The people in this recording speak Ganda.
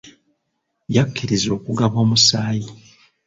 Yakkirizza okugaba omusaayi.